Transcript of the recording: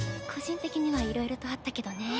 個人的にはいろいろとあったけどね。